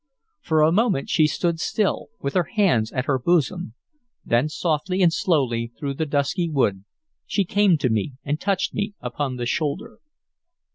For a moment she stood still, with her hands at her bosom; then, softly and slowly through the dusky wood, she came to me and touched me upon the shoulder.